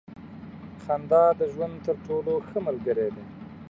• خندا د ژوند تر ټولو ښه ملګری دی.